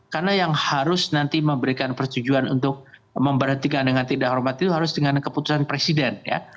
karena yang harus nanti memberikan persetujuan untuk memberhentikan dengan tidak hormat itu harus dengan keputusan presiden ya